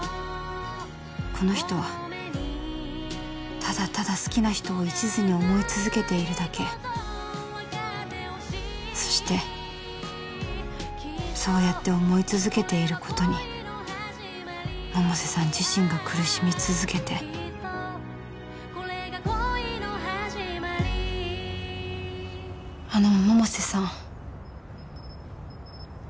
この人はただただ好きな人を一途に思い続けているだけそしてそうやって思い続けていることに百瀬さん自身が苦しみ続けてあの百瀬さん